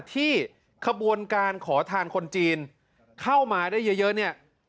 ขบวนการขอทานคนจีนเข้ามาได้เยอะเนี่ย